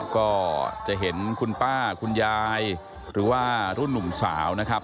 ฮัลสัตว์จะเห็นคุณป้าคุณยายหรือว่ารุ่นนุ่มสาว